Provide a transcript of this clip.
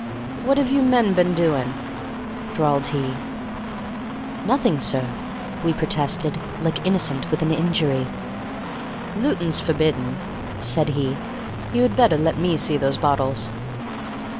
"What have you men been doin'?" drawled he. "Nothing, sir," we protested, like innocence with an injury. "Lootin' 's forbidden," said he. "You had better let me see those bottles."